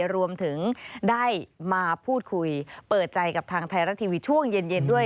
รวมถึงได้มาพูดคุยเปิดใจกับทางไทยรัฐทีวีช่วงเย็นด้วย